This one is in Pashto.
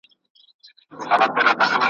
سړي وویل زما هغه ورځ یادیږي !.